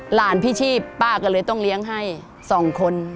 พี่ชีพป้าก็เลยต้องเลี้ยงให้สองคน